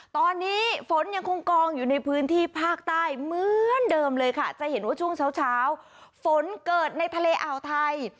ตอนนี้ฝนยังคงกองอยู่ในพื้นที่ภาคใต้เหมือนเดิมเลยค่ะจะเห็นว่าช่วงเช้าฝนเกิดในทะเลอ่าวไทย